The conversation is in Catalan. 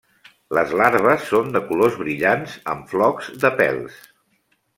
Les larves són de colors brillants, amb flocs de pèls.